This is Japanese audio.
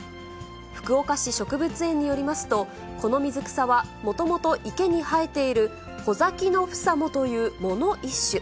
福岡市植物園によりますと、この水草は、もともと池に生えているホザキノフサモという藻の一種。